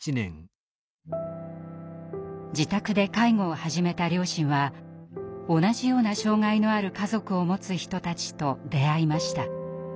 自宅で介護を始めた両親は同じような障害のある家族を持つ人たちと出会いました。